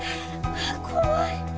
ああ怖い。